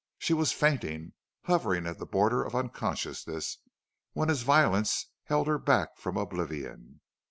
She was fainting hovering at the border of unconsciousness when his violence held her back from oblivion.